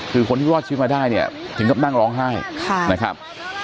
คือคนที่รอดชีวิตมาได้เนี่ยถึงกับนั่งร้องไห้นะครับ